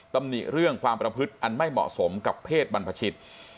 ตำหนิเรื่องความประพฤติอันไม่เหมาะสมกับเพศบรรพชิต